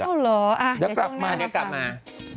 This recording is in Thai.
อ๋อเหรออ่ะเดี๋ยวช่องหน้านี้กลับมา